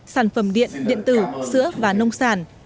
sản phẩm điện điện tử sữa và nông sản